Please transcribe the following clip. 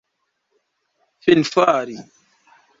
finfari